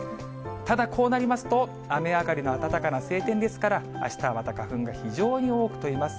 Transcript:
ただ、こうなりますと、雨上がりの暖かな晴天ですから、あしたはまた花粉が非常に多く飛びます。